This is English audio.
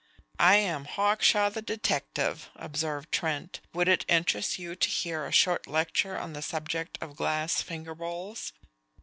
"I am Hawkshaw the detective," observed Trent. "Would it interest you to hear a short lecture on the subject of glass finger bowls?